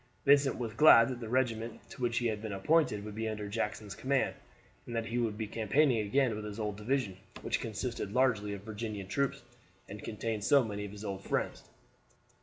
Vincent was glad that the regiment to which he had been appointed would be under Jackson's command, and that he would be campaigning again with his old division, which consisted largely of Virginian troops and contained so many of his old friends.